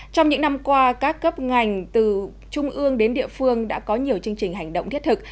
trong những năm qua các cấp ngành từ trung ương đến địa phương đã có nhiều chương trình hành động thiết thực